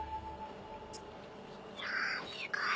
わあすごい。